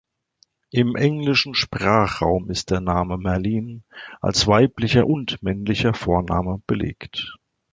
Im englischen Sprachraum ist der Name Malin als weiblicher und männlicher Vorname belegt.